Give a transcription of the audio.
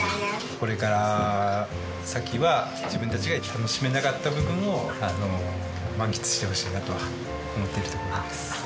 これから先は自分たちが楽しめなかった部分をあの満喫してほしいなとは思っているところです。